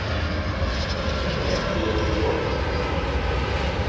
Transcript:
Csápja vastag.